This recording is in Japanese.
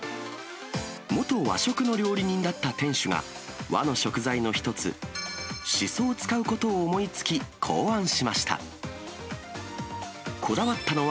元和食の料理人だった店主が、和の食材の一つ、しそを使うことを思いつき、考案しました。